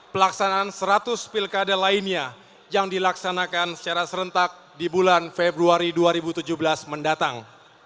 pelaksanaan seratus pilkada lainnya yang dilaksanakan secara serentak di bulan februari dua ribu tujuh belas mendatang